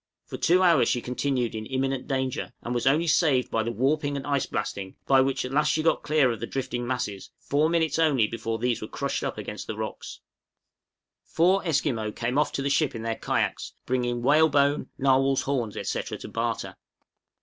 For two hours she continued in imminent danger, and was only saved by the warping and ice blasting, by which at last she got clear of the drifting masses, four minutes only before these were crushed up against the rocks! {GEOGRAPHICAL INFORMATION OF NATIVES.} Four Esquimaux came off to the ship in their kayaks, bringing whalebone, narwhals' horns, etc., to barter.